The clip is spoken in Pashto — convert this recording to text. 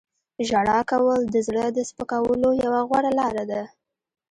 • ژړا کول د زړه د سپکولو یوه غوره لاره ده.